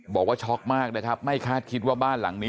บอกว่าช็อกมากนะครับไม่คาดคิดว่าบ้านหลังนี้